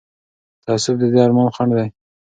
تعصب د دې ارمان خنډ دی